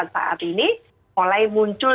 saat ini mulai muncul